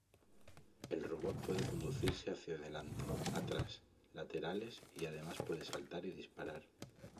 El robot puede conducirse hacia delante, atrás, laterales y además puede saltar y disparar.